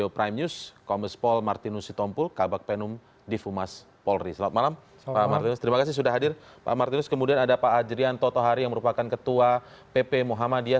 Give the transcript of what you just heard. pak martinus kemudian ada pak ajrianto tohari yang merupakan ketua pp muhammadiyah